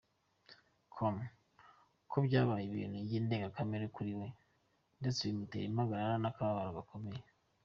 com ko byabaye ibintu ndengakamere kuri we, ndetse bimuteye impagarara n’akababaro gakomeye.